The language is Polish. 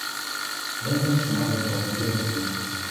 Będę przemawiał po węgiersku